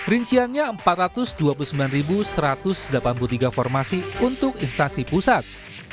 rinciannya empat ratus dua puluh sembilan satu ratus delapan puluh tiga formasi untuk instansi pusat